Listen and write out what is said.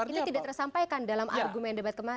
itu tidak tersampaikan dalam argumen debat kemarin